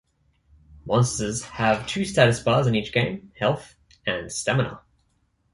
Monsters have two status bars in each game, health and stamina.